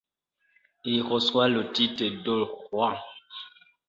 Il reçoit le titre de roi.